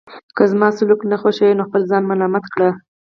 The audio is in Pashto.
که زما سلوک نه خوښوئ نو خپل ځان ملامت کړئ.